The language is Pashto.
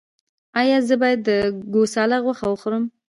ایا زه باید د ګوساله غوښه وخورم؟